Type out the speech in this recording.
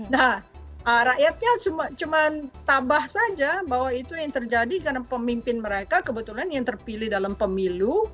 nah rakyatnya cuma tabah saja bahwa itu yang terjadi karena pemimpin mereka kebetulan yang terpilih dalam pemilu